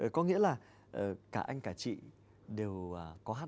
có nghĩa là cả anh cả chị đều có hát